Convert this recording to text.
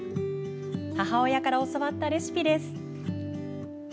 母親から教わったレシピです。